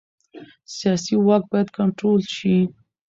سیاسي واک باید کنټرول شي